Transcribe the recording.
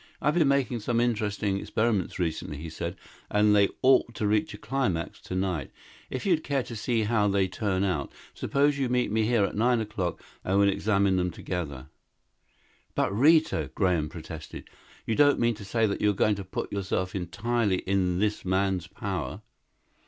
'I've been making some interesting experiments recently,' he said, 'and they ought to reach a climax to night. If you'd care to see how they turn out, suppose you meet me here at nine o'clock and we'll examine them together.'" "But Rita," Graham protested, "you don't mean to say that you're going to put yourself entirely in this man's power?"